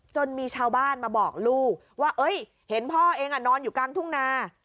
จนมีชาวบ้านมาบอกลูกว่าเห็นพ่อเองนอนอยู่กลางทุ่งนา